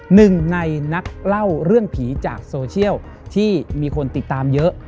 หนึ่งในนักเล่าเรื่องผีจากโซเชียลที่มีคนติดตามเยอะ